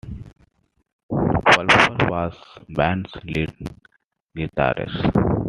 Pulsford was the band's lead guitarist.